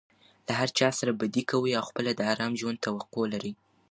له هرچا سره بدي کوى او خپله د آرام ژوند توقع لري.